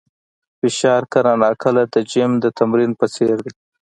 فشار کله ناکله د جیم د تمرین په څېر دی.